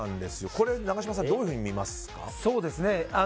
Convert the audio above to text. これ、永島さんどういうふうに見ますか？